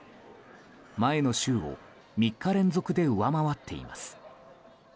前の週を３日連続で上回っています。